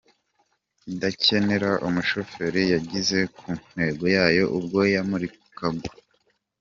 idakenera umushoferi yageze ku ntego yayo ubwo yamurikagwa.